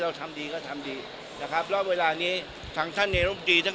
เราทำดีก็ทำดีนะครับรอบเวลานี้ทั้งท่านเนรมจีน